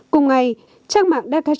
cùng ngày trang mạng daikachi